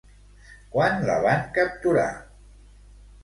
Quan la van capturar?